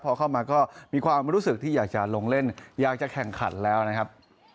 พอเข้ามาก็มีความรู้สึกที่อยากจะลงเล่นอยากจะแข่งขันแล้วนะครับ